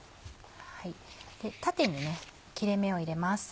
縦に切れ目を入れます。